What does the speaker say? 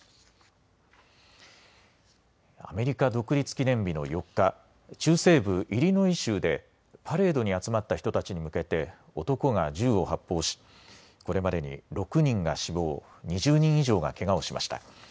アメリカ独立記念日の４日、中西部イリノイ州でパレードに集まった人たちに向けて男が銃を発砲しこれまでに６人が死亡、２０人以上がけがをしました。